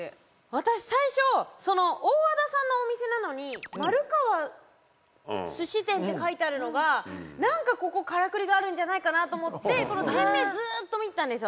私、最初、大和田さんのお店なのに「丸川寿司店」って書いてあるのがなんかここ、からくりがあるんじゃないかなと思ってこの店名ずっと見てたんですよ。